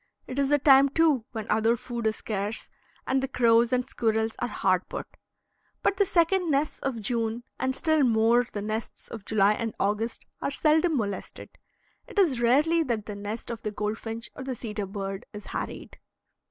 It is a time, too, when other food is scarce, and the crows and squirrels are hard put. But the second nests of June, and still more the nests of July and August, are seldom molested. It is rarely that the nest of the goldfinch or the cedar bird is harried.